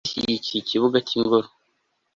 zishyigikiye ikibuga cy'ingoro